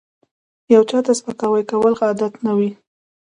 یو چاته سپکاوی کول ښه عادت نه دی